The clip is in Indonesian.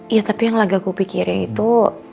ya tapi yang lagaku pikirin itu